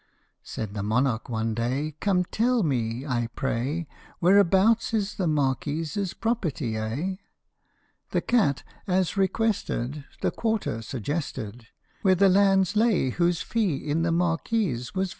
Said the monarch one day, " Come, tell me, I pray, Whereabouts is the Marquis's property, eh ? The cat, as requested, the quarter suggested Where the lands lay whose fee in the Marquis was vested.